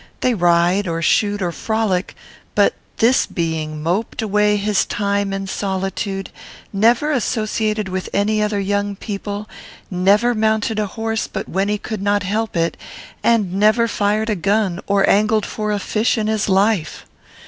They ride, or shoot, or frolic; but this being moped away his time in solitude, never associated with other young people, never mounted a horse but when he could not help it, and never fired a gun or angled for a fish in his life.